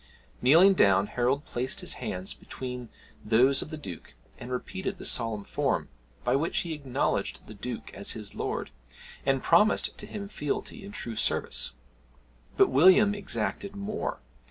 Kneeling down, Harold placed his hands between those of the Duke, and repeated the solemn form, by which he acknowledged the Duke as his lord, and promised to him fealty and true service. But William exacted more.